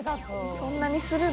そんなにするの？